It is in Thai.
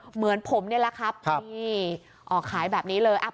เหมือนผมนี่แหละครับนี่ออกขายแบบนี้เลย